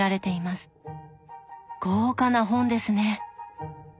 豪華な本ですね。